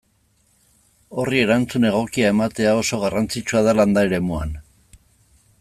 Horri erantzun egokia ematea oso garrantzitsua da landa eremuan.